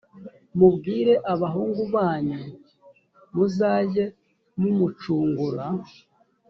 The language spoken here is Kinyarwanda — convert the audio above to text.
mubwire abahungu banyu muzajye mumucungura